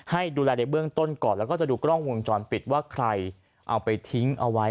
ให้ดูแลในเบื้องต้นก่อนแล้วก็จะดูกล้องวงจรปิดว่าใครเอาไปทิ้งเอาไว้